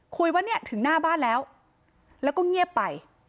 คุยว่าเนี่ยถึงหน้าบ้านแล้วแล้วก็เงียบไป